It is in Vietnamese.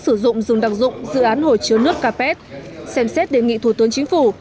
sử dụng dùng đặc dụng dự án hồi chứa nước capet xem xét đề nghị thủ tướng chính phủ